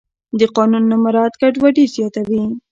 د قانون نه مراعت ګډوډي زیاتوي